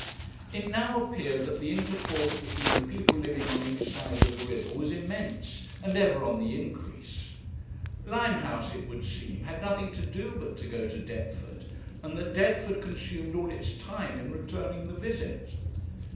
It now appeared that the intercourse between the people living on each side of the river was immense, and ever on the increase. Limehouse, it would seem, had nothing to do but to go to Deptford, and that Deptford consumed all its time in returning the visit.